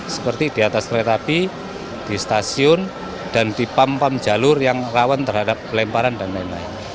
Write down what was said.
seperti di atas kereta api di stasiun dan di pump pump jalur yang rawan terhadap pelemparan dan lain lain